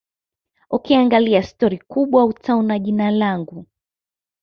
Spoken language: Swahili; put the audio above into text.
Ukiangalia stori kubwa utaona jina langu